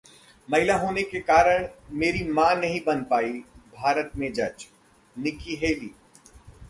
महिला होने के कारण मेरी मां नहीं बन पाई भारत में जज- निक्की हेली